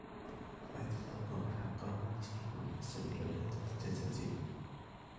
وآت ذا القربى حقه والمسكين وابن السبيل ولا تبذر تبذيرا